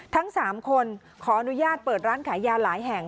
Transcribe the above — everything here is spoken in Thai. ทั้ง๓คนขออนุญาตเปิดร้านขายยาหลายแห่ง